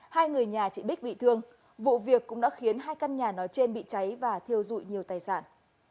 hai người nhà chị bích bị thương vụ việc cũng đã khiến hai căn nhà nói trên bị cháy và thiêu dụi nhiều tài sản